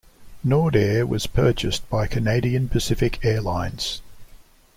Nordair was purchased by Canadian Pacific Air Lines.